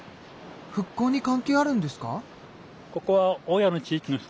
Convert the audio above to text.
復興に関係あるんですか？